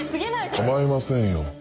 構いませんよ